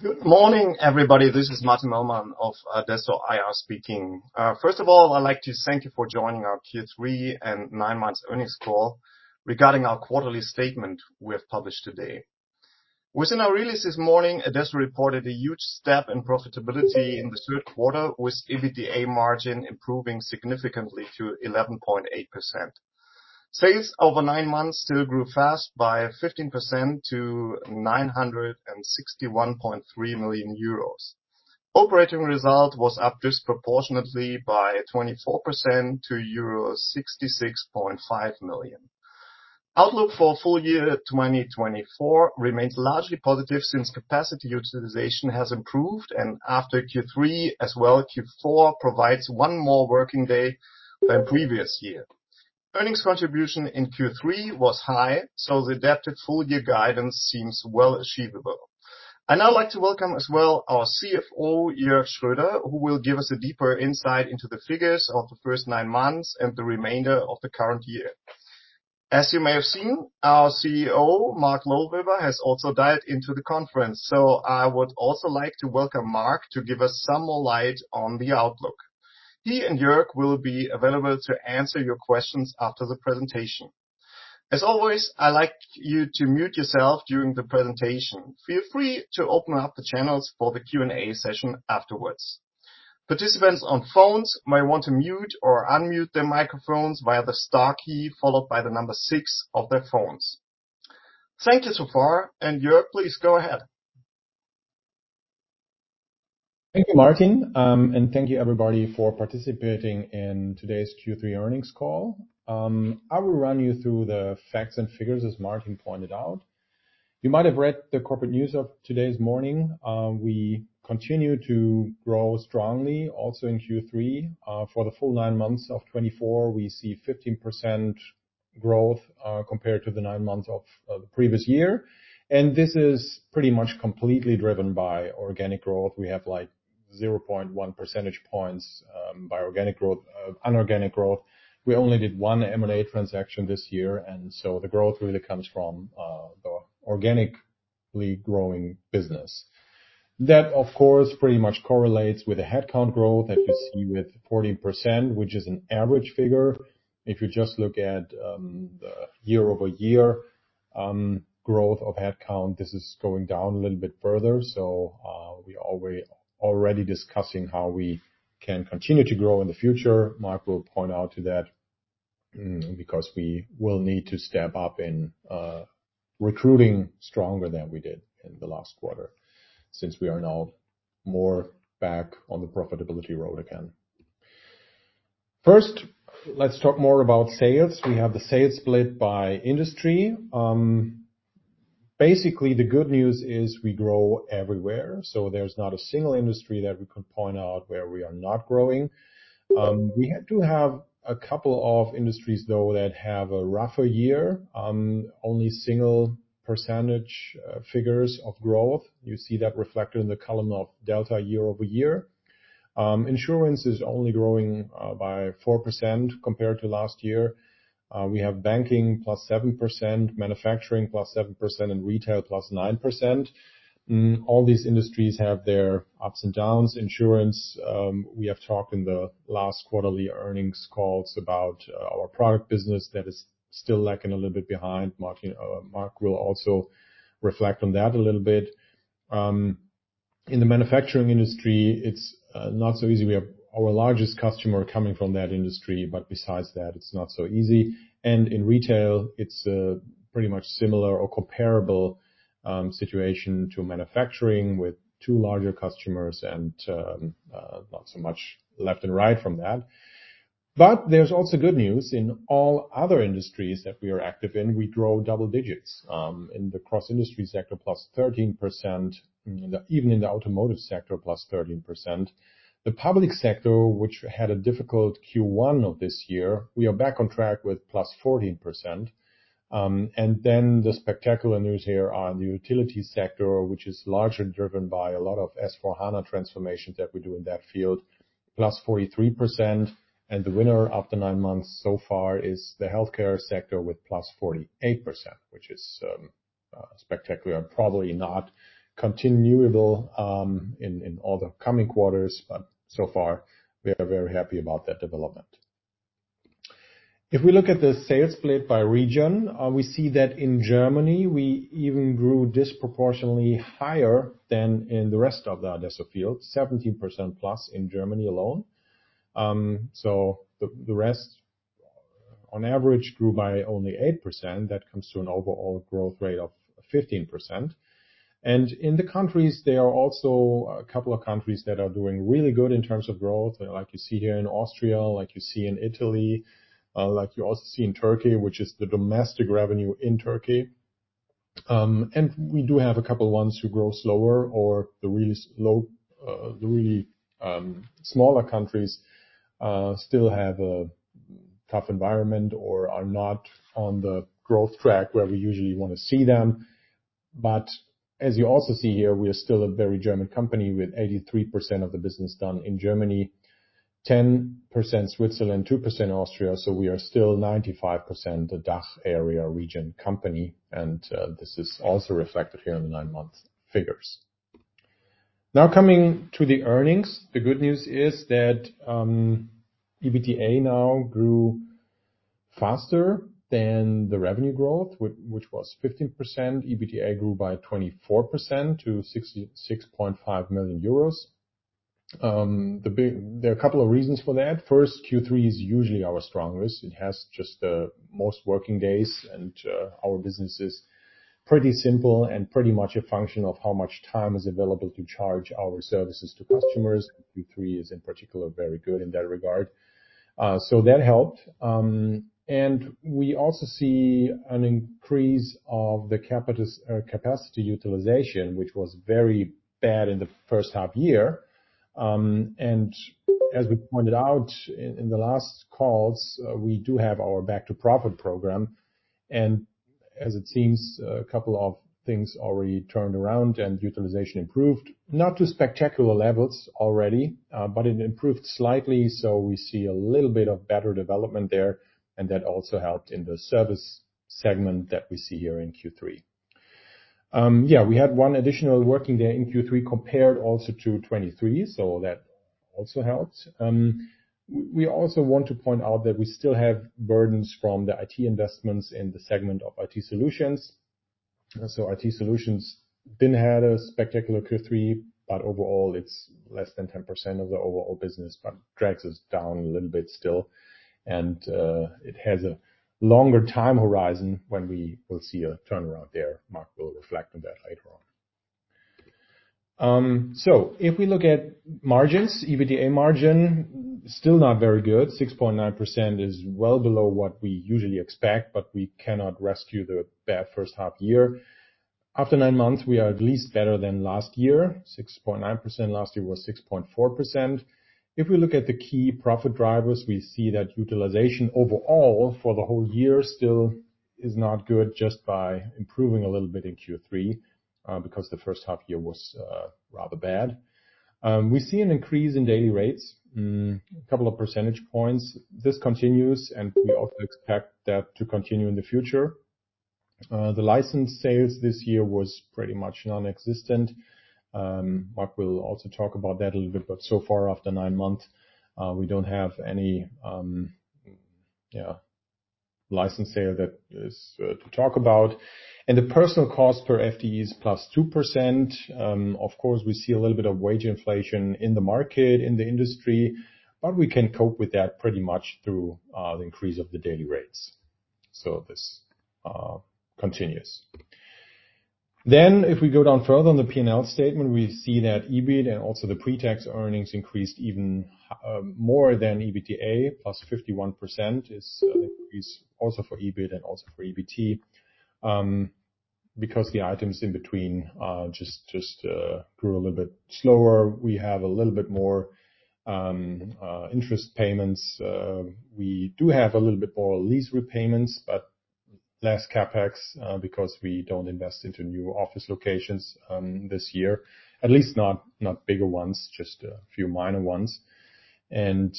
Good morning, everybody. This is Martin Möllmann of adesso IR speaking. First of all, I'd like to thank you for joining our Q3 and 9 months earnings call regarding our quarterly statement we have published today. Within our release this morning, adesso reported a huge step in profitability in the third quarter, with EBITDA margin improving significantly to 11.8%. Sales over 9 months still grew fast by 15% to 961.3 million euros. Operating result was up disproportionately by 24% to euro 66.5 million. Outlook for full year 2024 remains largely positive since capacity utilization has improved, and after Q3 as well, Q4 provides one more working day than previous year. Earnings contribution in Q3 was high, so the adapted full year guidance seems well achievable. I'd now like to welcome as well our CFO, Jörg Schroeder, who will give us a deeper insight into the figures of the first nine months and the remainder of the current year. As you may have seen, our CEO, Mark Lohweber, has also dialed into the conference, so I would also like to welcome Mark to give us some more light on the outlook. He and Jörg will be available to answer your questions after the presentation. As always, I'd like you to mute yourself during the presentation. Feel free to open up the channels for the Q&A session afterwards. Participants on phones may want to mute or unmute their microphones via the star key followed by the number six of their phones. Thank you so far, and Jörg, please go ahead. Thank you, Martin, and thank you everybody for participating in today's Q3 earnings call. I will run you through the facts and figures as Martin pointed out. You might have read the corporate news of today's morning. We continue to grow strongly also in Q3. For the full nine months of 2024, we see 15% growth compared to the nine months of the previous year, and this is pretty much completely driven by organic growth. We have like 0.1 percentage points by organic growth, unorganic growth. We only did one M&A transaction this year, and so the growth really comes from the organically growing business. That, of course, pretty much correlates with the headcount growth that you see with 14%, which is an average figure. If you just look at the year-over-year growth of headcount, this is going down a little bit further. So we are already discussing how we can continue to grow in the future. Mark will point out to that because we will need to step up in recruiting stronger than we did in the last quarter since we are now more back on the profitability road again. First, let's talk more about sales. We have the sales split by industry. Basically, the good news is we grow everywhere, so there's not a single industry that we could point out where we are not growing. We do have a couple of industries, though, that have a rougher year, only single percentage figures of growth. You see that reflected in the column of delta year-over-year. Insurance is only growing by 4% compared to last year. We have banking plus 7%, manufacturing plus 7%, and retail plus 9%. All these industries have their ups and downs. Insurance, we have talked in the last quarterly earnings calls about our product business that is still lagging a little bit behind. Mark will also reflect on that a little bit. In the manufacturing industry, it's not so easy. We have our largest customer coming from that industry, but besides that, it's not so easy, and in retail, it's pretty much similar or comparable situation to manufacturing with two larger customers and not so much left and right from that, but there's also good news. In all other industries that we are active in, we grow double digits in the cross-industry sector, plus 13%, even in the automotive sector, plus 13%. The public sector, which had a difficult Q1 of this year, we are back on track with plus 14%. Then the spectacular news here are in the utility sector, which is largely driven by a lot of S/4HANA transformations that we do in that field, plus 43%. The winner of the 9 months so far is the healthcare sector with plus 48%, which is spectacular and probably not continuable in all the coming quarters, but so far we are very happy about that development. If we look at the sales split by region, we see that in Germany we even grew disproportionately higher than in the rest of the adesso field, 17% plus in Germany alone. The rest on average grew by only 8%. That comes to an overall growth rate of 15%. And in the countries, there are also a couple of countries that are doing really good in terms of growth, like you see here in Austria, like you see in Italy, like you also see in Turkey, which is the domestic revenue in Turkey. And we do have a couple of ones who grow slower or the really smaller countries still have a tough environment or are not on the growth track where we usually want to see them. But as you also see here, we are still a very German company with 83% of the business done in Germany, 10% Switzerland, 2% Austria, so we are still 95% the DACH area region company. And this is also reflected here in the 9-month figures. Now coming to the earnings, the good news is that EBITDA now grew faster than the revenue growth, which was 15%. EBITDA grew by 24% to 66.5 million euros. There are a couple of reasons for that. First, Q3 is usually our strongest. It has just the most working days, and our business is pretty simple and pretty much a function of how much time is available to charge our services to customers. Q3 is in particular very good in that regard. So that helped. And we also see an increase of the capacity utilization, which was very bad in the first half year. And as we pointed out in the last calls, we do have our back-to-profit program. And as it seems, a couple of things already turned around and utilization improved, not to spectacular levels already, but it improved slightly. So we see a little bit of better development there, and that also helped in the service segment that we see here in Q3. Yeah, we had one additional working day in Q3 compared also to 2023, so that also helped. We also want to point out that we still have burdens from the IT investments in the segment of IT Solutions. So IT Solutions didn't have a spectacular Q3, but overall it's less than 10% of the overall business, but drags us down a little bit still. And it has a longer time horizon when we will see a turnaround there. Mark will reflect on that later on. So if we look at margins, EBITDA margin still not very good. 6.9% is well below what we usually expect, but we cannot rescue the bad first half year. After 9 months, we are at least better than last year. 6.9% last year was 6.4%. If we look at the key profit drivers, we see that utilization overall for the whole year still is not good, just by improving a little bit in Q3 because the first half year was rather bad. We see an increase in daily rates, a couple of percentage points. This continues, and we also expect that to continue in the future. The license sales this year was pretty much nonexistent. Mark will also talk about that a little bit, but so far after nine months, we don't have any license sale that is to talk about, and the personnel cost per FTE is plus 2%. Of course, we see a little bit of wage inflation in the market, in the industry, but we can cope with that pretty much through the increase of the daily rates, so this continues. Then, if we go down further on the P&L statement, we see that EBIT and also the pre-tax earnings increased even more than EBITDA. Plus 51% is an increase also for EBIT and also for EBITDA because the items in between just grew a little bit slower. We have a little bit more interest payments. We do have a little bit more lease repayments, but less CapEx because we don't invest into new office locations this year, at least not bigger ones, just a few minor ones. And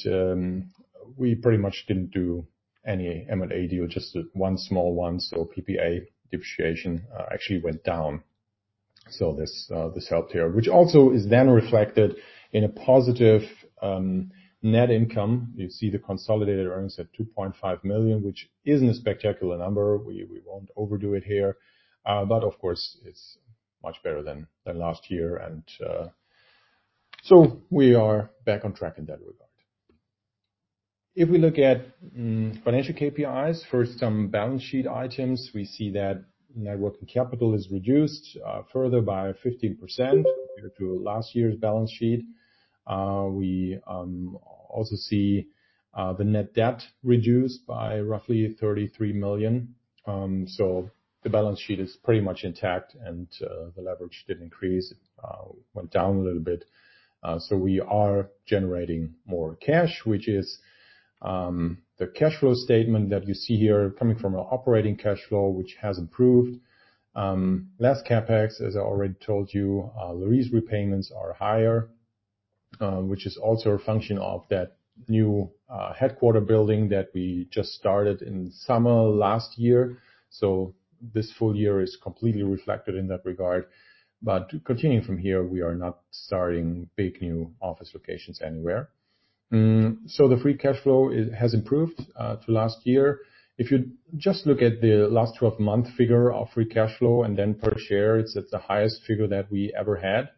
we pretty much didn't do any M&A deal, just one small one. So PPA depreciation actually went down. So this helped here, which also is then reflected in a positive net income. You see the consolidated earnings at 2.5 million, which isn't a spectacular number. We won't overdo it here, but of course, it's much better than last year. We are back on track in that regard. If we look at financial KPIs, first, some balance sheet items, we see that net working capital is reduced further by 15% compared to last year's balance sheet. We also see the net debt reduced by roughly 33 million. The balance sheet is pretty much intact, and the leverage did increase. It went down a little bit. We are generating more cash, which is the cash flow statement that you see here coming from our operating cash flow, which has improved. Less CapEx, as I already told you. Lease repayments are higher, which is also a function of that new headquarters building that we just started in summer last year. This full year is completely reflected in that regard. Continuing from here, we are not starting big new office locations anywhere. So the free cash flow has improved to last year. If you just look at the last 12-month figure of free cash flow and then per share, it's at the highest figure that we ever had.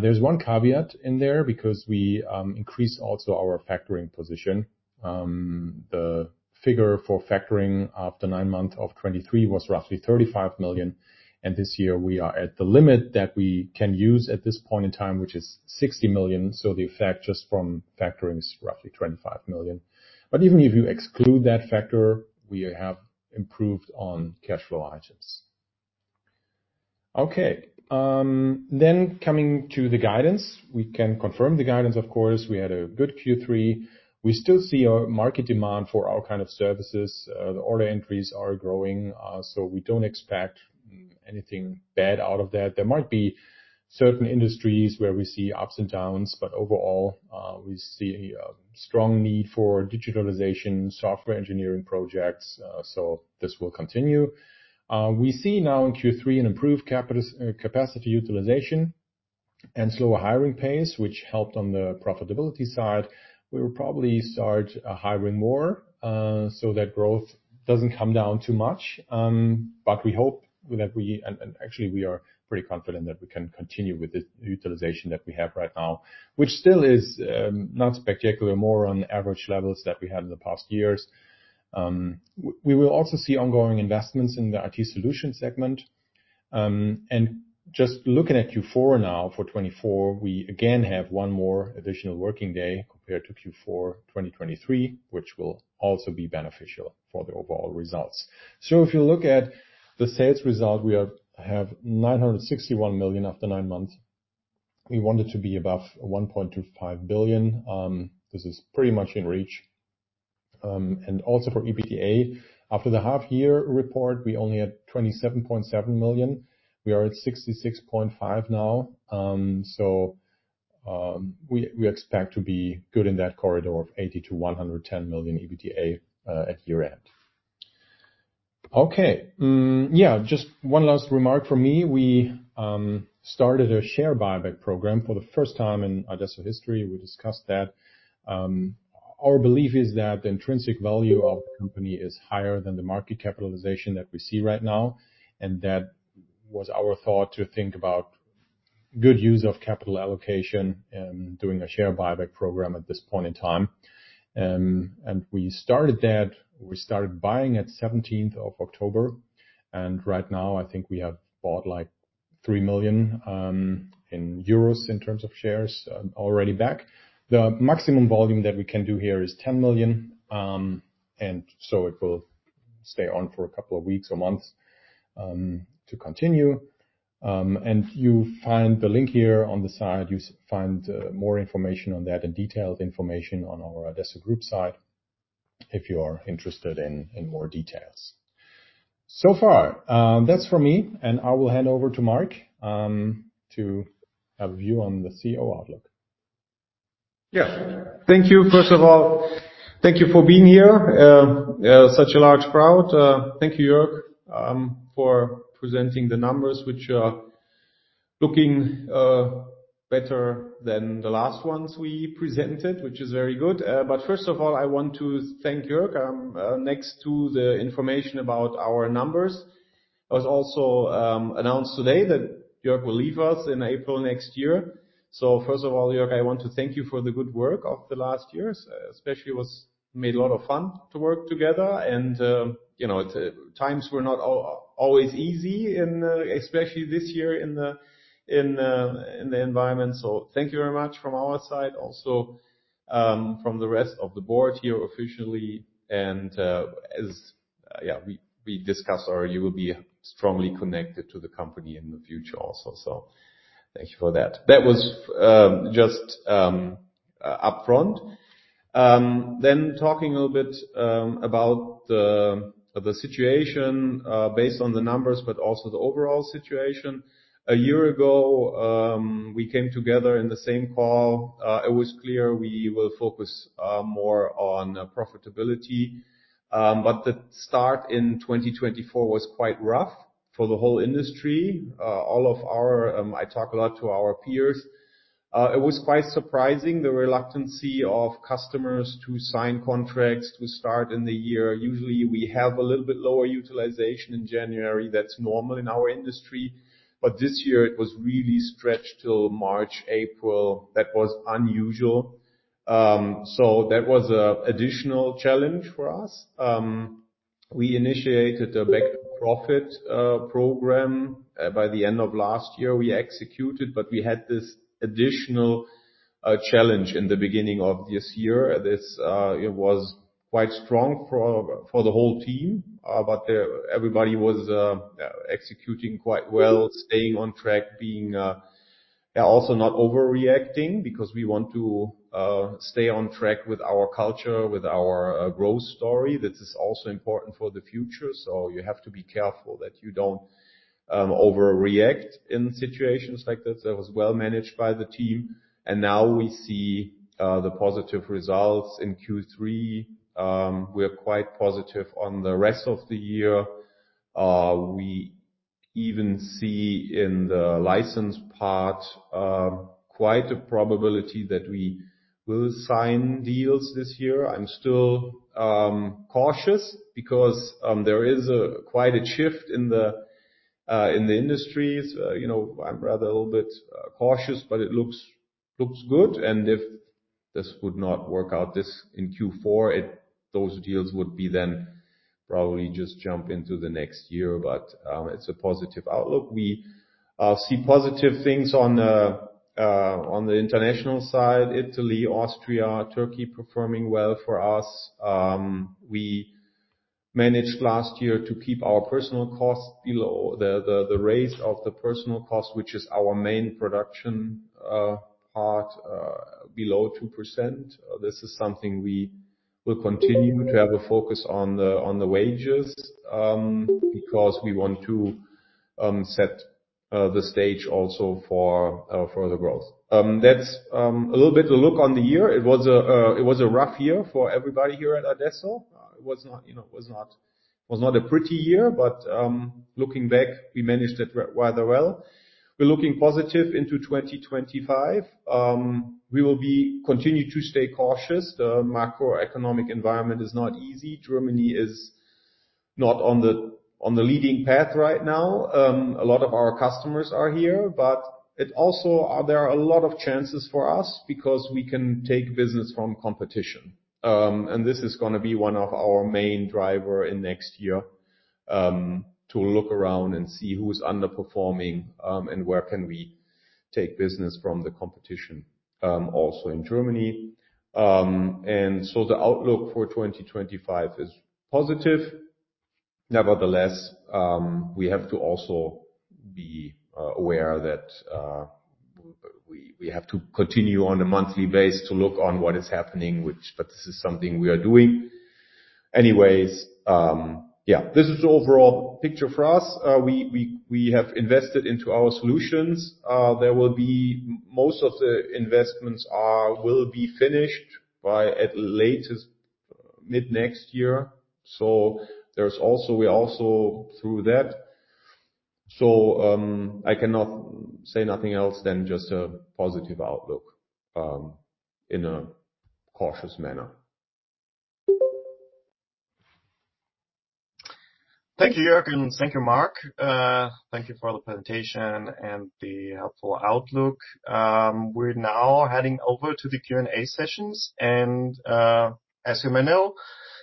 There's one caveat in there because we increased also our factoring position. The figure for factoring after 9 months of 2023 was roughly 35 million. And this year we are at the limit that we can use at this point in time, which is 60 million. So the effect just from factoring is roughly 25 million. But even if you exclude that factor, we have improved on cash flow items. Okay, then coming to the guidance, we can confirm the guidance, of course. We had a good Q3. We still see a market demand for our kind of services. The order entries are growing, so we don't expect anything bad out of that. There might be certain industries where we see ups and downs, but overall we see a strong need for digitalization, software engineering projects, so this will continue. We see now in Q3 an improved capacity utilization and slower hiring pace, which helped on the profitability side. We will probably start hiring more so that growth doesn't come down too much, but we hope that we, and actually we are pretty confident that we can continue with the utilization that we have right now, which still is not spectacular, more on average levels that we had in the past years. We will also see ongoing investments in the IT Solutions segment, and just looking at Q4 now for 2024, we again have one more additional working day compared to Q4 2023, which will also be beneficial for the overall results. So if you look at the sales result, we have 961 million after 9 months. We wanted to be above 1.25 billion. This is pretty much in reach. And also for EBITDA, after the half-year report, we only had 27.7 million. We are at 66.5 now. So we expect to be good in that corridor of 80 million-110 million EBITDA at year-end. Okay, yeah, just one last remark from me. We started a share buyback program for the first time in adesso history. We discussed that. Our belief is that the intrinsic value of the company is higher than the market capitalization that we see right now. And that was our thought to think about good use of capital allocation and doing a share buyback program at this point in time. And we started that. We started buying at 17th of October. Right now, I think we have bought back like 3 million euros in terms of shares already. The maximum volume that we can do here is 10 million. And so it will stay on for a couple of weeks or months to continue. And you find the link here on the side. You find more information on that and detailed information on our adesso Group site if you are interested in more details. So far, that's for me. And I will hand over to Mark to have a view on the CEO outlook. Yeah, thank you. First of all, thank you for being here. Such a large crowd. Thank you, Jörg, for presenting the numbers, which are looking better than the last ones we presented, which is very good. But first of all, I want to thank Jörg. Next to the information about our numbers, it was also announced today that Jörg will leave us in April next year. So first of all, Jörg, I want to thank you for the good work of the last year. Especially, it was made a lot of fun to work together. And times were not always easy, especially this year in the environment. So thank you very much from our side, also from the rest of the board here officially. And as, yeah, we discussed, you will be strongly connected to the company in the future also. So thank you for that. That was just upfront. Then talking a little bit about the situation based on the numbers, but also the overall situation. A year ago, we came together in the same call. It was clear we will focus more on profitability. But the start in 2024 was quite rough for the whole industry. All of our, I talk a lot to our peers. It was quite surprising, the reluctance of customers to sign contracts to start in the year. Usually, we have a little bit lower utilization in January. That's normal in our industry. But this year, it was really stretched till March, April. That was unusual. So that was an additional challenge for us. We initiated a back-to-profit program by the end of last year. We executed, but we had this additional challenge in the beginning of this year. This was quite strong for the whole team, but everybody was executing quite well, staying on track, being also not overreacting because we want to stay on track with our culture, with our growth story. This is also important for the future. So you have to be careful that you don't overreact in situations like that. That was well managed by the team. And now we see the positive results in Q3. We are quite positive on the rest of the year. We even see in the license part quite a probability that we will sign deals this year. I'm still cautious because there is quite a shift in the industry. I'm rather a little bit cautious, but it looks good. And if this would not work out this in Q4, those deals would be then probably just jump into the next year. But it's a positive outlook. We see positive things on the international side: Italy, Austria, Turkey performing well for us. We managed last year to keep our personnel cost below the rise of the personnel cost, which is our main production part, below 2%. This is something we will continue to have a focus on the wages because we want to set the stage also for further growth. That's a little bit of a look on the year. It was a rough year for everybody here at adesso. It was not a pretty year, but looking back, we managed it rather well. We're looking positive into 2025. We will continue to stay cautious. The macroeconomic environment is not easy. Germany is not on the leading path right now. A lot of our customers are here, but also there are a lot of chances for us because we can take business from competition, and this is going to be one of our main drivers in next year to look around and see who's underperforming and where can we take business from the competition also in Germany, and so the outlook for 2025 is positive. Nevertheless, we have to also be aware that we have to continue on a monthly basis to look at what is happening, but this is something we are doing. Anyways, yeah, this is the overall picture for us. We have invested into our solutions. There will be most of the investments will be finished by at the latest mid-next year. So we are also through that. So I cannot say nothing else than just a positive outlook in a cautious manner. Thank you, Jörg, and thank you, Mark. Thank you for the presentation and the helpful outlook. We're now heading over to the Q&A sessions. As you may know,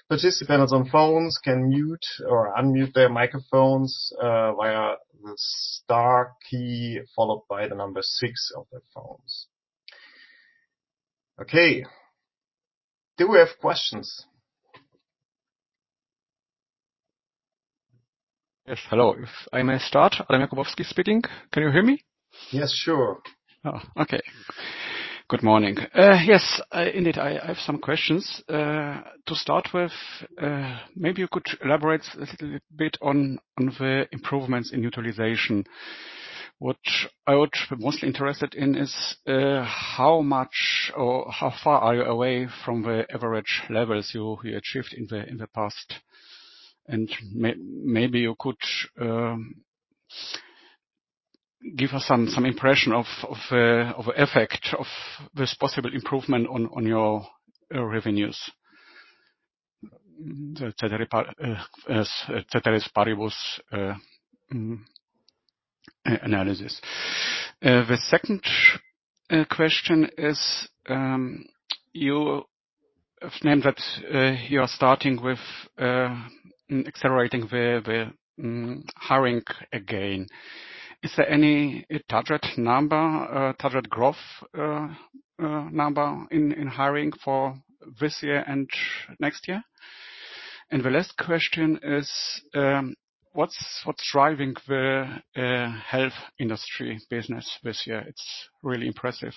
participants on phones can mute or unmute their microphones via the star key followed by the number six of their phones. Okay, do we have questions? Yes, hello. If I may start, Adam Jakubowski speaking. Can you hear me? Yes, sure. Okay, good morning. Yes, indeed, I have some questions. To start with, maybe you could elaborate a little bit on the improvements in utilization. What I would be mostly interested in is how much or how far are you away from the average levels you achieved in the past? And maybe you could give us some impression of the effect of this possible improvement on your revenues. The second question is you have named that you are starting with accelerating the hiring again. Is there any target number, target growth number in hiring for this year and next year? And the last question is what's driving the health industry business this year? It's really impressive.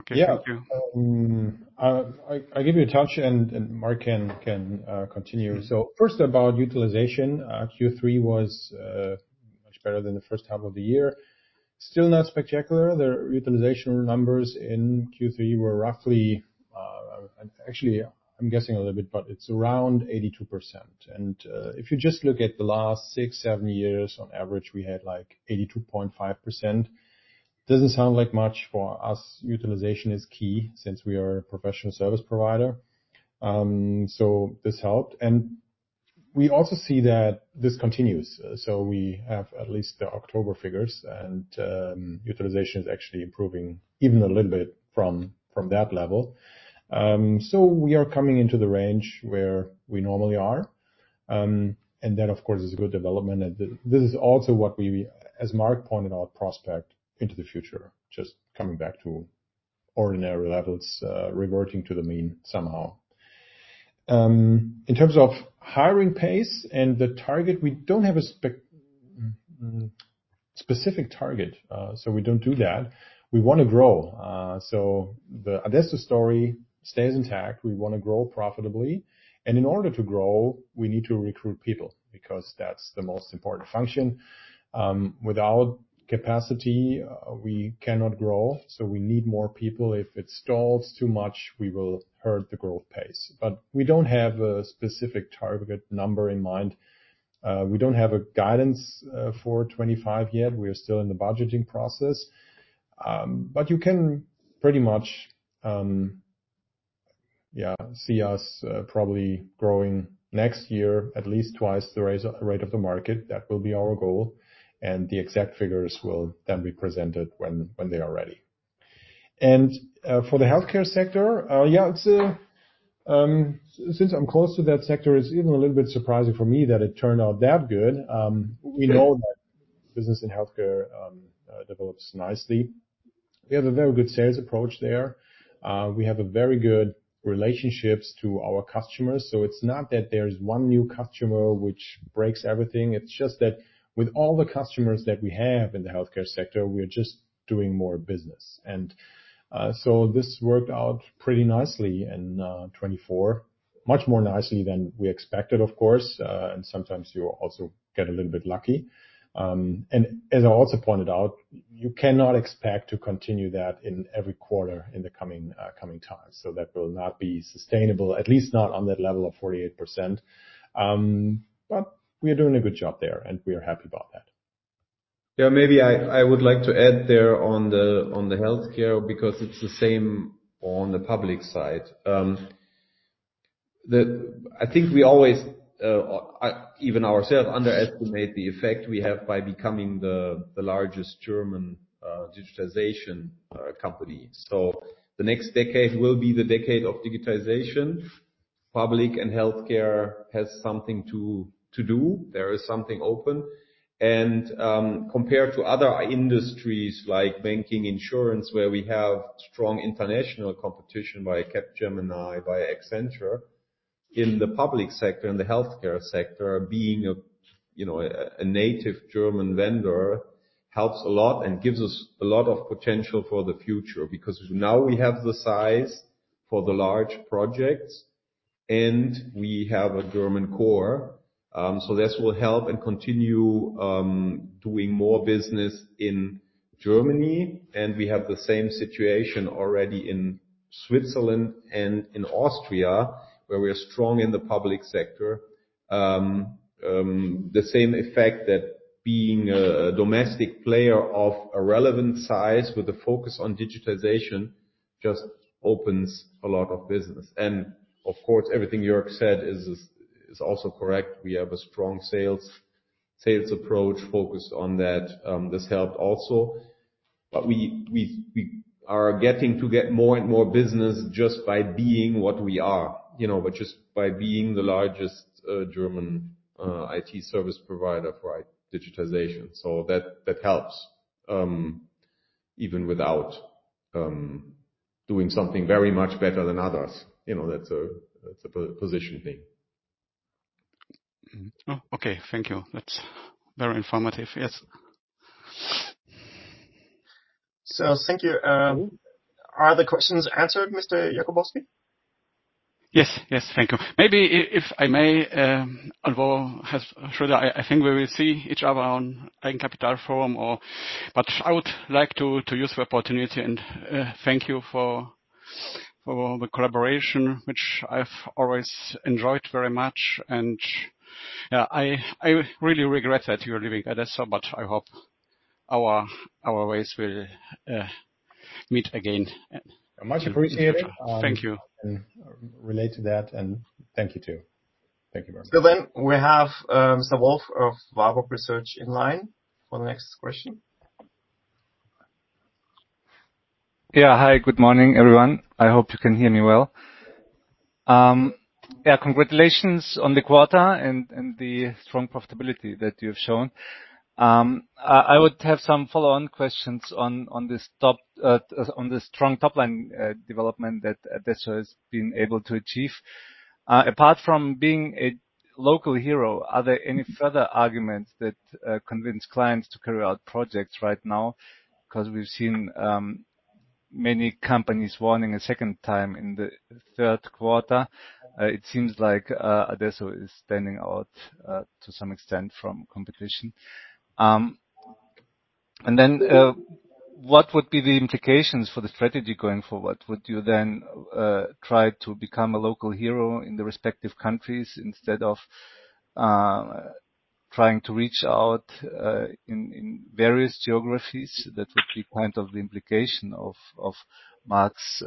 Okay, thank you. Yeah, I'll give you a chance and Mark can continue. So first about utilization, Q3 was much better than the first half of the year. Still not spectacular. The utilization numbers in Q3 were roughly, actually, I'm guessing a little bit, but it's around 82%. And if you just look at the last six, seven years, on average, we had like 82.5%. Doesn't sound like much for us. Utilization is key since we are a professional service provider. So this helped. And we also see that this continues. So we have at least the October figures, and utilization is actually improving even a little bit from that level. So we are coming into the range where we normally are. And that, of course, is a good development. And this is also what we, as Mark pointed out, prospect into the future, just coming back to ordinary levels, reverting to the mean somehow. In terms of hiring pace and the target, we don't have a specific target, so we don't do that. We want to grow. So the adesso story stays intact. We want to grow profitably. And in order to grow, we need to recruit people because that's the most important function. Without capacity, we cannot grow. So we need more people. If it stalls too much, we will hurt the growth pace. But we don't have a specific target number in mind. We don't have a guidance for 2025 yet. We are still in the budgeting process. But you can pretty much, yeah, see us probably growing next year at least twice the rate of the market. That will be our goal. The exact figures will then be presented when they are ready. For the healthcare sector, yeah, since I'm close to that sector, it's even a little bit surprising for me that it turned out that good. We know that business in healthcare develops nicely. We have a very good sales approach there. We have very good relationships to our customers, so it's not that there's one new customer which breaks everything. It's just that with all the customers that we have in the healthcare sector, we're just doing more business, and so this worked out pretty nicely in 2024, much more nicely than we expected, of course. Sometimes you also get a little bit lucky, and as I also pointed out, you cannot expect to continue that in every quarter in the coming time. So that will not be sustainable, at least not on that level of 48%. But we are doing a good job there, and we are happy about that. Yeah, maybe I would like to add there on the healthcare because it's the same on the public side. I think we always, even ourselves, underestimate the effect we have by becoming the largest German digitization company. So the next decade will be the decade of digitization. Public and healthcare has something to do. There is something open. And compared to other industries like banking, insurance, where we have strong international competition by Capgemini, by Accenture, in the public sector, in the healthcare sector, being a native German vendor helps a lot and gives us a lot of potential for the future because now we have the size for the large projects and we have a German core. This will help and continue doing more business in Germany. We have the same situation already in Switzerland and in Austria, where we are strong in the public sector. The same effect that being a domestic player of a relevant size with a focus on digitization just opens a lot of business. And of course, everything Jörg said is also correct. We have a strong sales approach focused on that. This helped also. But we are getting more and more business just by being what we are, which is by being the largest German IT service provider for digitization. So that helps even without doing something very much better than others. That's a position thing. Okay, thank you. That's very informative. Yes. So thank you. Are the questions answered, Mr. Jakubowski? Yes, yes, thank you. Maybe if I may involve, Schroeder, I think we will see each other on Capital Forum, but I would like to use the opportunity and thank you for the collaboration, which I've always enjoyed very much, and yeah, I really regret that you're leaving adesso, but I hope our ways will meet again. Much appreciated. Thank you. Relate to that, and thank you too. Thank you very much. So then we have Mr. Wolf of Warburg Research in line for the next question. Yeah, hi, good morning, everyone. I hope you can hear me well. Yeah, congratulations on the quarter and the strong profitability that you have shown. I would have some follow-on questions on this strong top-line development that adesso has been able to achieve. Apart from being a local hero, are there any further arguments that convince clients to carry out projects right now? Because we've seen many companies warning a second time in the third quarter, it seems like adesso is standing out to some extent from competition, and then what would be the implications for the strategy going forward? Would you then try to become a local hero in the respective countries instead of trying to reach out in various geographies? That would be kind of the implication of Mark's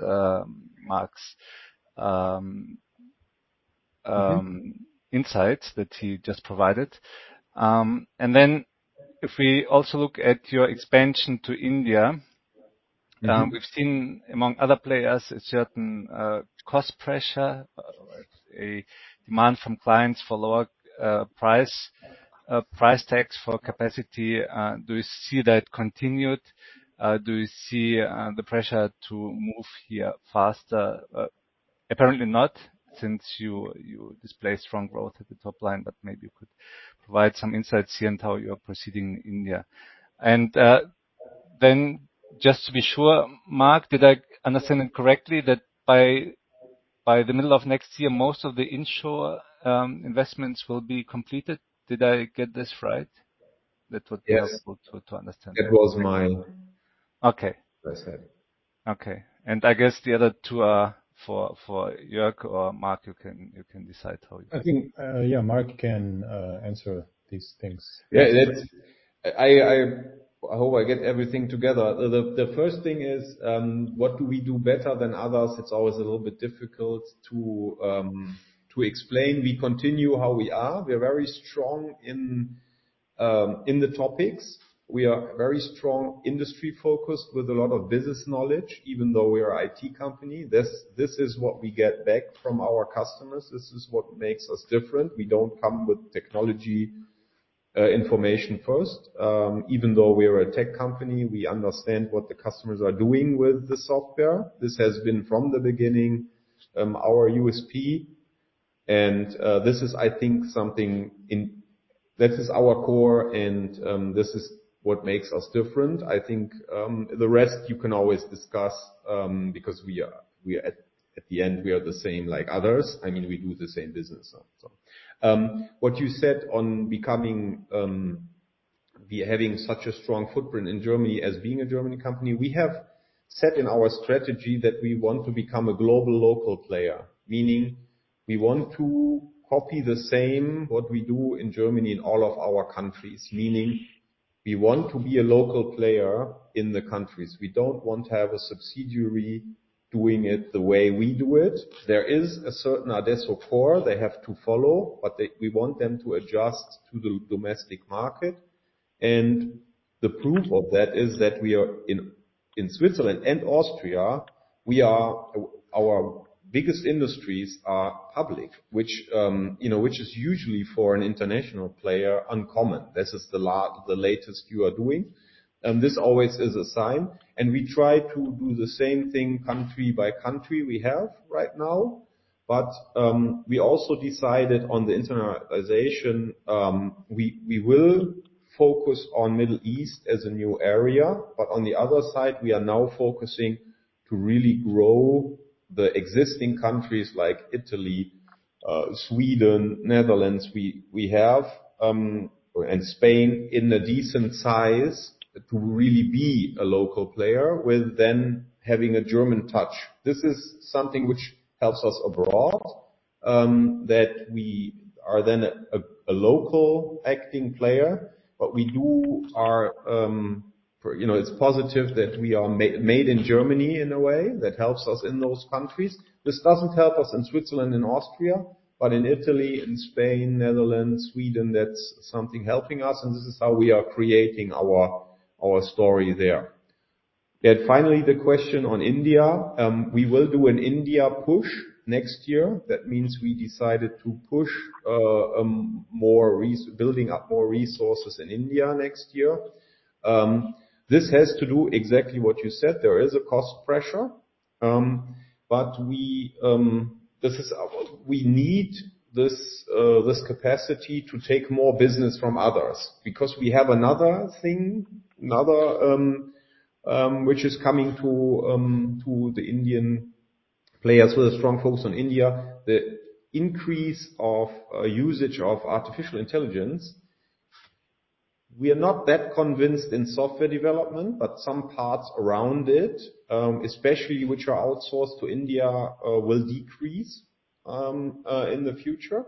insights that he just provided. And then if we also look at your expansion to India, we've seen among other players a certain cost pressure, a demand from clients for lower price tags for capacity. Do you see that continued? Do you see the pressure to move here faster? Apparently not, since you display strong growth at the top line, but maybe you could provide some insights here on how you're proceeding in India. And then just to be sure, Mark, did I understand it correctly that by the middle of next year, most of the in|sure investments will be completed? Did I get this right? That would be helpful to understand. That was my question. Okay. Okay, and I guess the other two are for Jörg or Mark. You can decide how you want. I think, yeah, Mark can answer these things. Yeah, I hope I get everything together. The first thing is, what do we do better than others? It's always a little bit difficult to explain. We continue how we are. We are very strong in the topics. We are very strong industry-focused with a lot of business knowledge, even though we are an IT company. This is what we get back from our customers. This is what makes us different. We don't come with technology information first. Even though we are a tech company, we understand what the customers are doing with the software. This has been from the beginning our USP. And this is, I think, something that is our core, and this is what makes us different. I think the rest you can always discuss because at the end, we are the same like others. I mean, we do the same business. What you said on having such a strong footprint in Germany as being a German company. We have set in our strategy that we want to become a global local player, meaning we want to copy the same what we do in Germany in all of our countries, meaning we want to be a local player in the countries. We don't want to have a subsidiary doing it the way we do it. There is a certain adesso core they have to follow, but we want them to adjust to the domestic market. The proof of that is that we are in Switzerland and Austria. Our biggest industries are public, which is usually for an international player uncommon. This is the latest you are doing. This always is a sign. We try to do the same thing country by country we have right now. But we also decided on the internationalization. We will focus on the Middle East as a new area, but on the other side, we are now focusing to really grow the existing countries like Italy, Sweden, Netherlands, and Spain in a decent size to really be a local player with then having a German touch. This is something which helps us abroad that we are then a local acting player, but we do. It's positive that we are made in Germany in a way that helps us in those countries. This doesn't help us in Switzerland and Austria, but in Italy, in Spain, Netherlands, Sweden, that's something helping us. And this is how we are creating our story there. And finally, the question on India, we will do an India push next year. That means we decided to push building up more resources in India next year. This has to do exactly what you said. There is a cost pressure, but we need this capacity to take more business from others because we have another thing, another which is coming to the Indian players with a strong focus on India, the increase of usage of artificial intelligence. We are not that convinced in software development, but some parts around it, especially which are outsourced to India, will decrease in the future,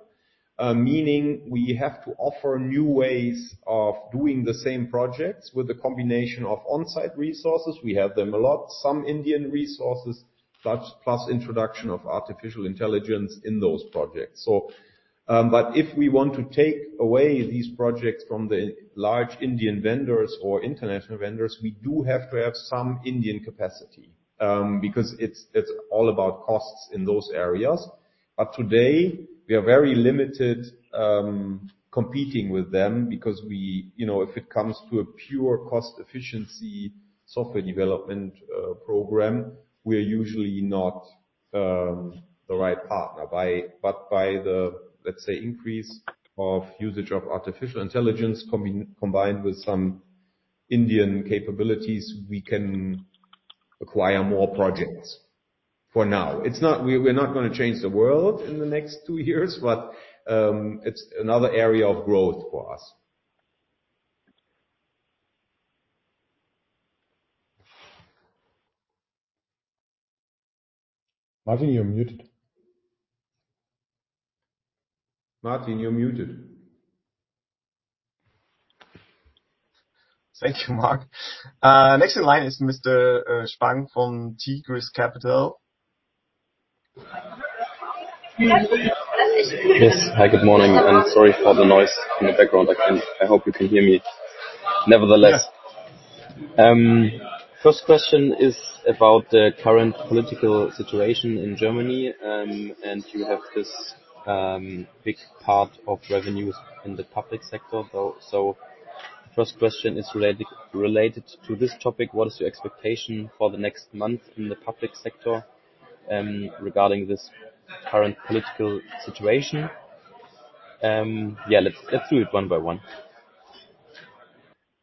meaning we have to offer new ways of doing the same projects with a combination of on-site resources. We have them a lot, some Indian resources, plus introduction of artificial intelligence in those projects. But if we want to take away these projects from the large Indian vendors or international vendors, we do have to have some Indian capacity because it's all about costs in those areas. But today, we are very limited competing with them because if it comes to a pure cost-efficiency software development program, we are usually not the right partner. But by the, let's say, increase of usage of artificial intelligence combined with some Indian capabilities, we can acquire more projects for now. We're not going to change the world in the next two years, but it's another area of growth for us. Martin, you're muted. Martin, you're muted. Thank you, Mark. Next in line is Mr. Spang from Tigris Capital. Yes, hi, good morning, and sorry for the noise in the background. I hope you can hear me. Nevertheless, first question is about the current political situation in Germany, and you have this big part of revenues in the public sector. So the first question is related to this topic. What is your expectation for the next month in the public sector regarding this current political situation? Yeah, let's do it one by one.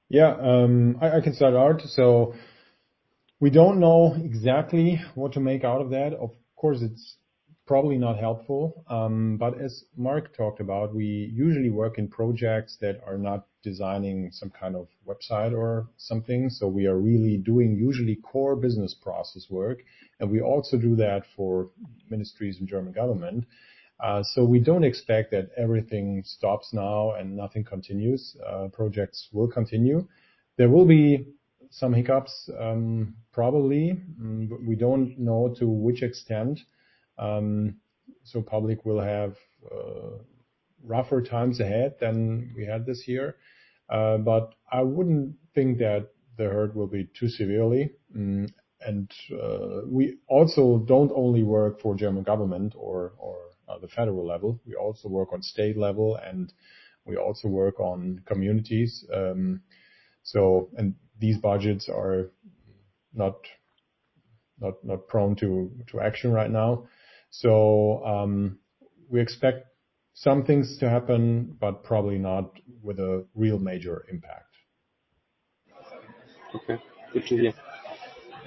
Yeah, I can start out, so we don't know exactly what to make out of that. Of course, it's probably not helpful, but as Mark talked about, we usually work in projects that are not designing some kind of website or something, so we are really doing usually core business process work, and we also do that for ministries and German government, so we don't expect that everything stops now and nothing continues. Projects will continue. There will be some hiccups probably. We don't know to which extent, so public will have rougher times ahead than we had this year, but I wouldn't think that the hurt will be too severely, and we also don't only work for German government or the federal level. We also work on state level, and we also work on communities, and these budgets are not prone to action right now. So we expect some things to happen, but probably not with a real major impact. Okay, good to hear.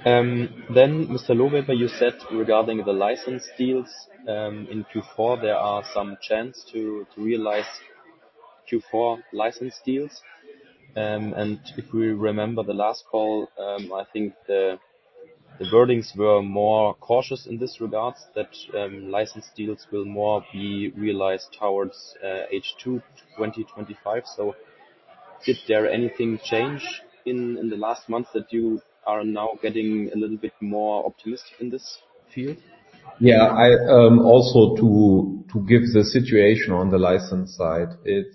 Then, Mr. Lohweber, you said regarding the license deals in Q4, there are some chances to realize Q4 license deals. And if we remember the last call, I think the wordings were more cautious in this regard that license deals will more be realized towards H2 2025. So did there anything change in the last month that you are now getting a little bit more optimistic in this field? Yeah, also to give the situation on the license side, it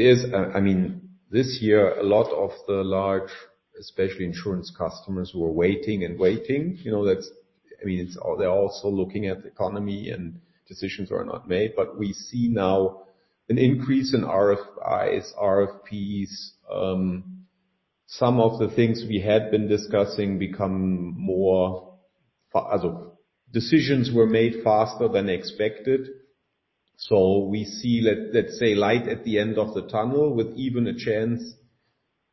is, I mean, this year, a lot of the large, especially insurance customers who are waiting and waiting, I mean, they're also looking at the economy and decisions are not made. But we see now an increase in RFIs, RFPs. Some of the things we had been discussing become more decisions were made faster than expected. So we see that, let's say, light at the end of the tunnel with even a chance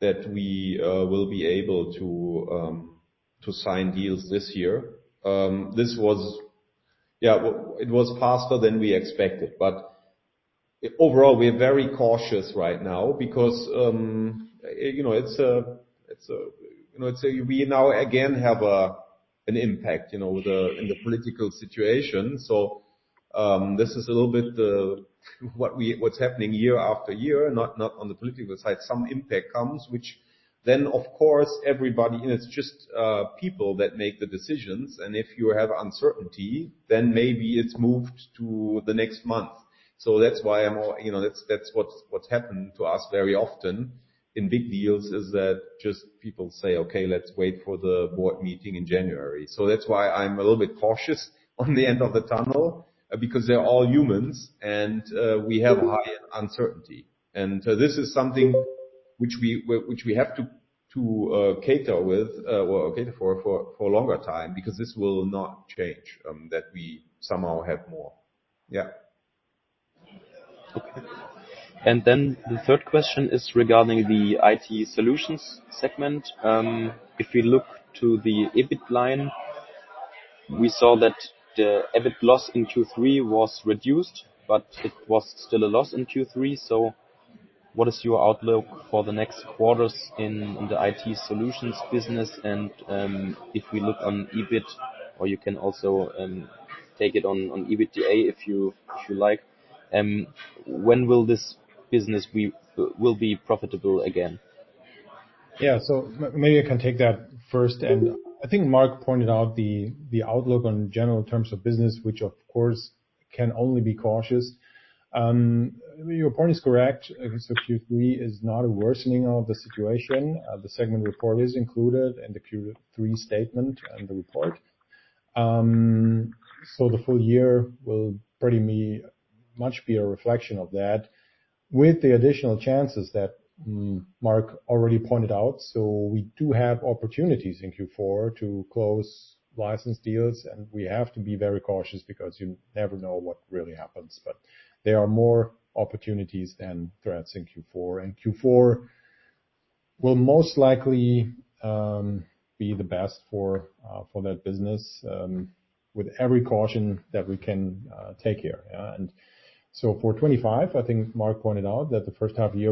that we will be able to sign deals this year. Yeah, it was faster than we expected. But overall, we're very cautious right now because it's a, let's say, we now again have an impact in the political situation. So this is a little bit what's happening year-after-year, not on the political side. Some impact comes, which then, of course, everybody, and it's just people that make the decisions. If you have uncertainty, then maybe it's moved to the next month. That's why I'm all. That's what's happened to us very often in big deals is that just people say, "Okay, let's wait for the board meeting in January." That's why I'm a little bit cautious on the end of the tunnel because they're all humans and we have high uncertainty. This is something which we have to cater with for a longer time because this will not change that we somehow have more. Yeah. Okay. And then the third question is regarding the IT Solutions segment. If we look to the EBIT line, we saw that the EBIT loss in Q3 was reduced, but it was still a loss in Q3. So what is your outlook for the next quarters in the IT Solutions business? And if we look on EBIT, or you can also take it on EBITDA if you like, when will this business be profitable again? Yeah, so maybe I can take that first. And I think Mark pointed out the outlook on general terms of business, which, of course, can only be cautious. Your point is correct. So Q3 is not a worsening of the situation. The segment report is included in the Q3 statement and the report. So the full year will pretty much be a reflection of that with the additional chances that Mark already pointed out. So we do have opportunities in Q4 to close license deals, and we have to be very cautious because you never know what really happens. But there are more opportunities than threats in Q4. And Q4 will most likely be the best for that business with every caution that we can take here. And so for 2025, I think Mark pointed out that the first half year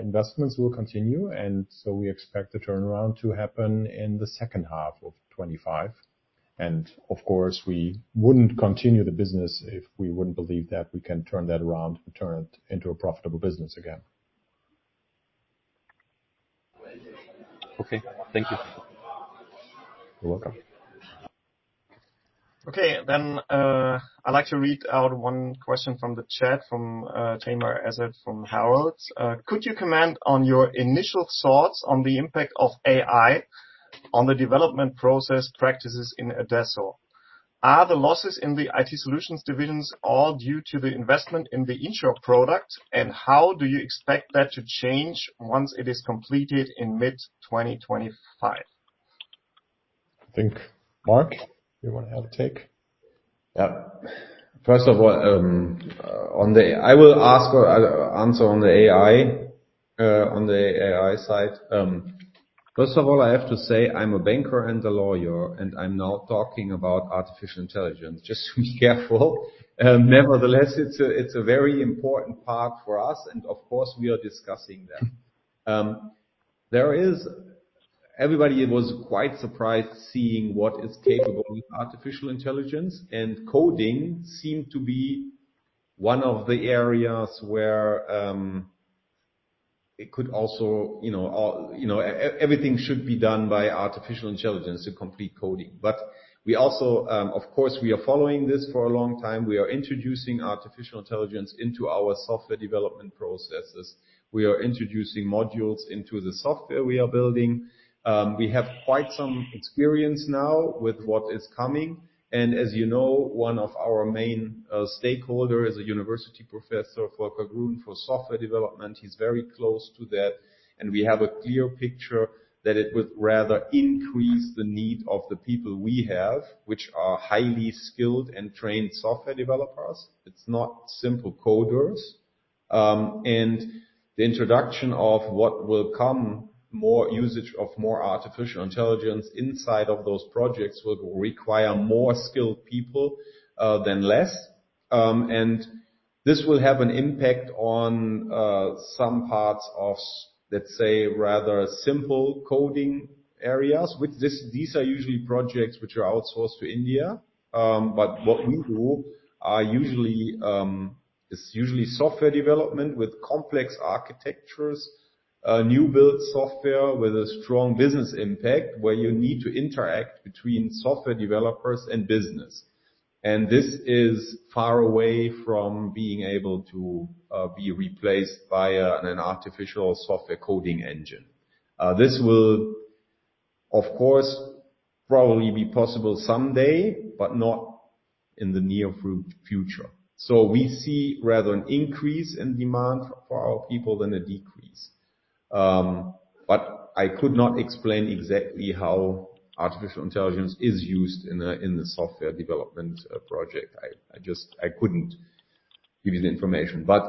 investments will continue. And so we expect the turnaround to happen in the second half of 2025. And of course, we wouldn't continue the business if we wouldn't believe that we can turn that around and turn it into a profitable business again. Okay, thank you. You're welcome. Okay, then I'd like to read out one question from the chat from [Jameer Azad] from Harald. Could you comment on your initial thoughts on the impact of AI on the development process practices in adesso? Are the losses in the IT solutions divisions all due to the investment in the in|sure product? And how do you expect that to change once it is completed in mid-2025? I think Mark, you want to have a take? Yeah. First of all, I will answer on the AI side. First of all, I have to say I'm a banker and a lawyer, and I'm not talking about artificial intelligence. Just to be careful. Nevertheless, it's a very important part for us, and of course, we are discussing that. Everybody was quite surprised seeing what is capable of artificial intelligence, and coding seemed to be one of the areas where it could also everything should be done by artificial intelligence to complete coding. But we also, of course, we are following this for a long time. We are introducing artificial intelligence into our software development processes. We are introducing modules into the software we are building. We have quite some experience now with what is coming. And as you know, one of our main stakeholders is a university professor for cognition for software development. He's very close to that. We have a clear picture that it would rather increase the need of the people we have, which are highly skilled and trained software developers. It's not simple coders. The introduction of what will come, more usage of more artificial intelligence inside of those projects will require more skilled people than less. This will have an impact on some parts of, let's say, rather simple coding areas, which these are usually projects which are outsourced to India. But what we do is usually software development with complex architectures, new build software with a strong business impact where you need to interact between software developers and business. This is far away from being able to be replaced by an artificial software coding engine. This will, of course, probably be possible someday, but not in the near future. So we see rather an increase in demand for our people than a decrease. But I could not explain exactly how artificial intelligence is used in the software development project. I couldn't give you the information. But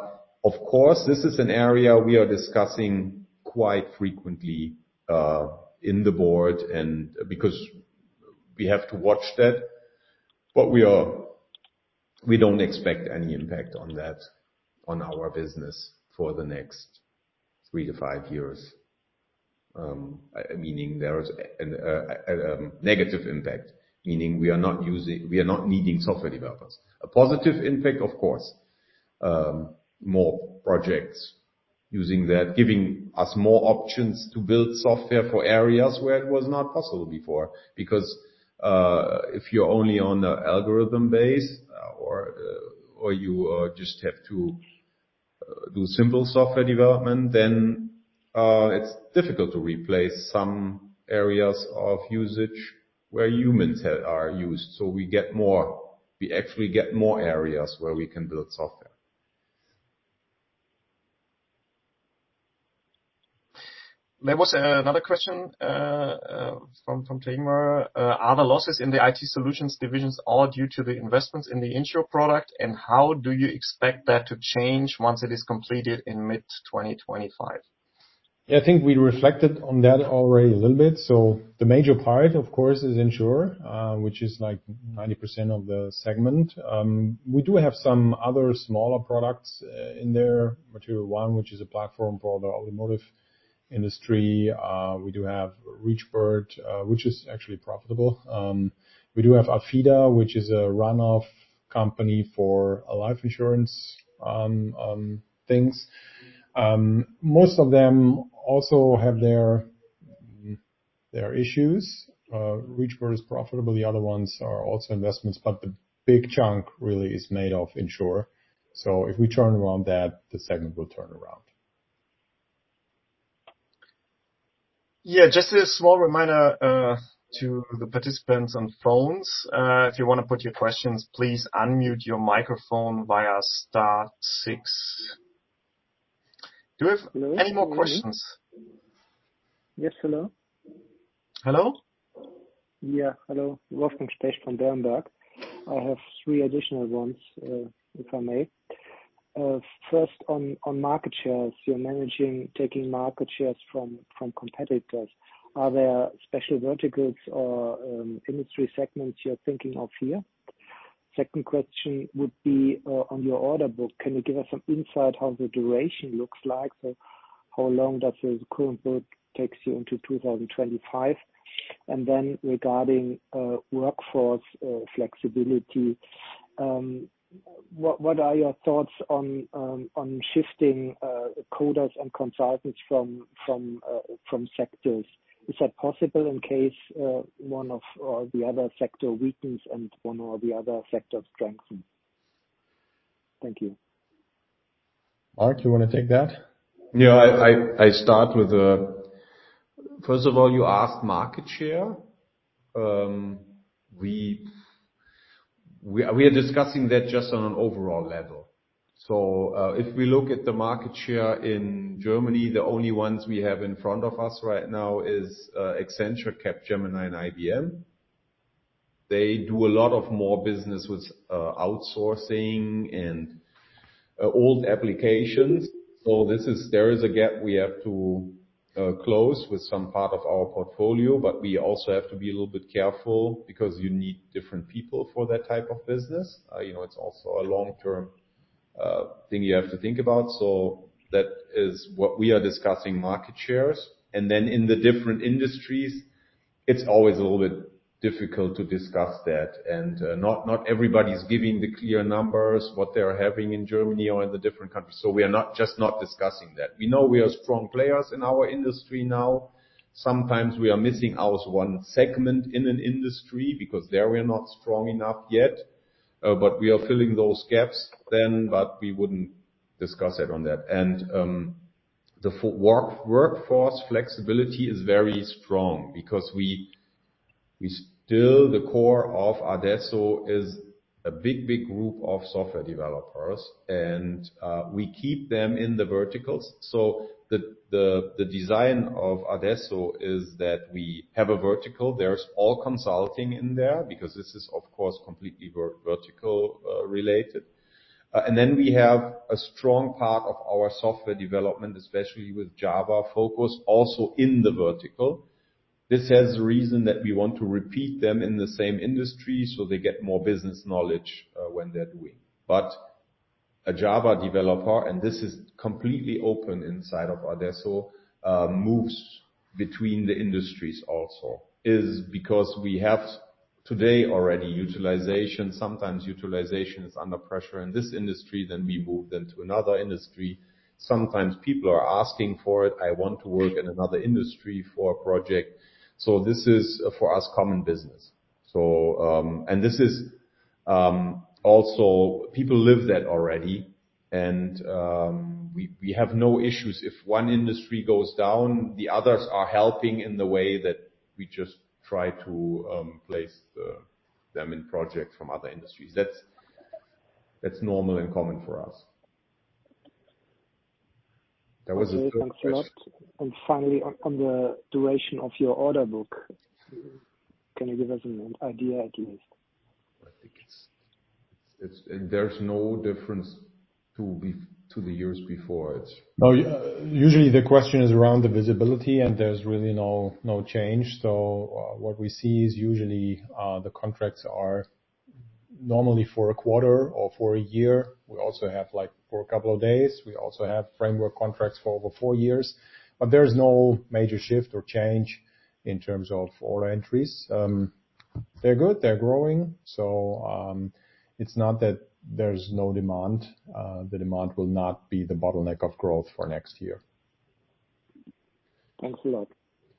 of course, this is an area we are discussing quite frequently in the board because we have to watch that. But we don't expect any impact on that on our business for the next three-to-five years, meaning there is a negative impact, meaning we are not needing software developers. A positive impact, of course, more projects using that, giving us more options to build software for areas where it was not possible before. Because if you're only on the algorithm base or you just have to do simple software development, then it's difficult to replace some areas of usage where humans are used. We actually get more areas where we can build software. There was another question from Jameer. Are the losses in the IT Solutions division all due to the investments in the in|sure product? And how do you expect that to change once it is completed in mid-2025? Yeah, I think we reflected on that already a little bit. So the major part, of course, is in|sure, which is like 90% of the segment. We do have some other smaller products in there, material.one, which is a platform for the automotive industry. We do have Reachbird, which is actually profitable. We do have Afida, which is a run-off company for life insurance things. Most of them also have their issues. Reachbird is profitable. The other ones are also investments, but the big chunk really is made of in|sure. So if we turn around that, the segment will turn around. Yeah, just a small reminder to the participants on phones. If you want to put your questions, please unmute your microphone via star six. Do you have any more questions? Yes, hello. Hello? Yeah, hello. Wolfgang Specht von Berenberg. I have three additional ones, if I may. First, on market shares, you're managing taking market shares from competitors. Are there special verticals or industry segments you're thinking of here? Second question would be on your order book. Can you give us some insight on how the duration looks like? So how long does the current book take you into 2025? And then regarding workforce flexibility, what are your thoughts on shifting coders and consultants from sectors? Is that possible in case one or the other sector weakens and one or the other sector strengthens? Thank you. Mark, you want to take that? Yeah, I start with, first of all, you asked market share. We are discussing that just on an overall level. So if we look at the market share in Germany, the only ones we have in front of us right now are Accenture, Capgemini, and IBM. They do a lot more business with outsourcing and old applications. So there is a gap we have to close with some part of our portfolio, but we also have to be a little bit careful because you need different people for that type of business. It's also a long-term thing you have to think about. So that is what we are discussing: market shares. And then in the different industries, it's always a little bit difficult to discuss that. And not everybody's giving the clear numbers what they're having in Germany or in the different countries. So we are just not discussing that. We know we are strong players in our industry now. Sometimes we are missing our one segment in an industry because there we are not strong enough yet, but we are filling those gaps then, but we wouldn't discuss it on that. And the workforce flexibility is very strong because still the core of adesso is a big, big group of software developers, and we keep them in the verticals. So the design of adesso is that we have a vertical. There's all consulting in there because this is, of course, completely vertical related. And then we have a strong part of our software development, especially with Java focus also in the vertical. This has a reason that we want to repeat them in the same industry so they get more business knowledge when they're doing. But a Java developer, and this is completely open inside of adesso, moves between the industries also because we have today already utilization. Sometimes utilization is under pressure in this industry, then we move them to another industry. Sometimes people are asking for it. I want to work in another industry for a project. So this is, for us, common business. And this is also people live that already. And we have no issues. If one industry goes down, the others are helping in the way that we just try to place them in projects from other industries. That's normal and common for us. That was a quick question. And finally, on the duration of your order book, can you give us an idea at least? There's no difference to the years before. Usually, the question is around the visibility, and there's really no change. So what we see is usually the contracts are normally for a quarter or for a year. We also have for a couple of days. We also have framework contracts for over four years. But there's no major shift or change in terms of order entries. They're good. They're growing. So it's not that there's no demand. The demand will not be the bottleneck of growth for next year. Thanks a lot.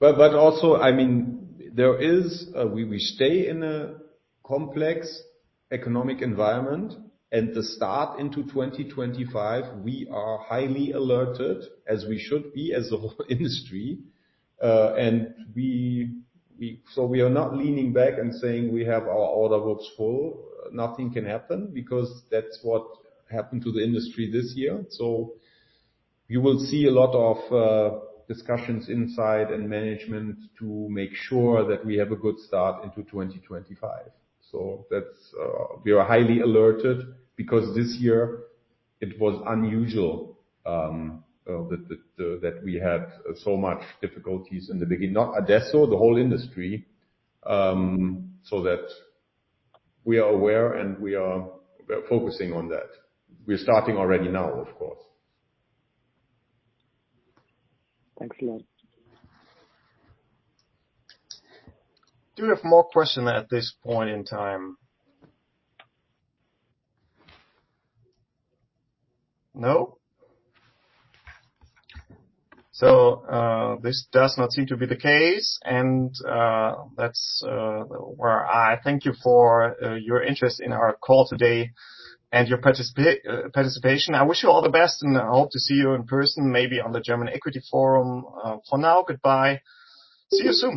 But also, I mean, we stay in a complex economic environment, and to start into 2025, we are highly alerted, as we should be as the whole industry, and so we are not leaning back and saying we have our order books full. Nothing can happen because that's what happened to the industry this year, so you will see a lot of discussions inside and management to make sure that we have a good start into 2025, so we are highly alerted because this year it was unusual that we had so much difficulties in the beginning, not adesso, the whole industry, so that we are aware and we are focusing on that, we're starting already now, of course. Thanks a lot. Do you have more questions at this point in time? No? So this does not seem to be the case. And that's where I thank you for your interest in our call today and your participation. I wish you all the best, and I hope to see you in person, maybe on the German Equity Forum. For now, goodbye. See you soon.